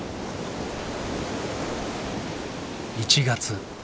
１月。